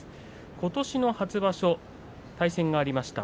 ことしの初場所対戦がありました。